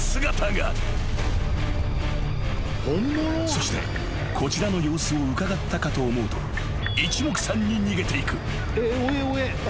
［そしてこちらの様子をうかがったかと思うと一目散に逃げていく］